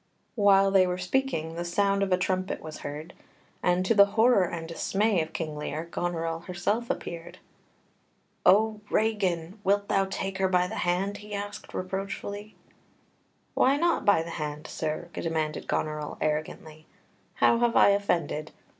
While they were speaking, the sound of a trumpet was heard, and, to the horror and dismay of King Lear, Goneril herself appeared. "O Regan, wilt thou take her by the hand?" he asked reproachfully. "Why not by the hand, sir?" demanded Goneril arrogantly. "How have I offended?